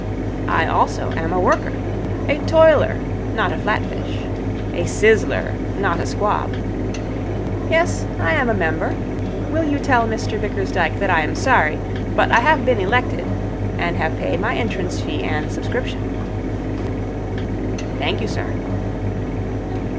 I also am a worker. A toiler, not a flatfish. A sizzler, not a squab. Yes, I am a member. Will you tell Mr Bickersdyke that I am sorry, but I have been elected, and have paid my entrance fee and subscription.' 'Thank you, sir.'